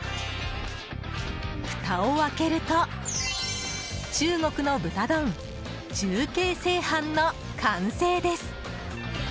ふたを開けると中国の豚丼、重慶蒸飯の完成です。